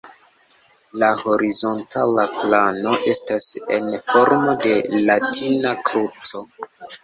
La horizontala plano estas en formo de latina kruco.